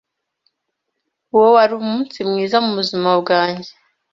Uwo wari umunsi mwiza mubuzima bwanjye.